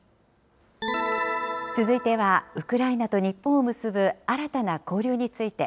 続いては、ウクライナと日本を結ぶ新たな交流について。